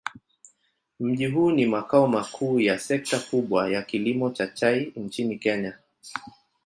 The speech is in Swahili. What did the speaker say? Mji huu ni makao makuu ya sekta kubwa ya kilimo cha chai nchini Kenya.